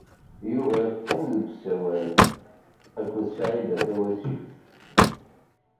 Yuba yeqqim deg usawal akked Saɛida Tawasift.